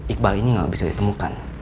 iqbal ini nggak bisa ditemukan